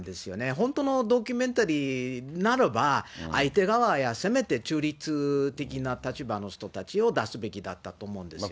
本当のドキュメンタリーならば、相手側や、せめて中立的な立場の人たちを出すべきだったと思うんですよね。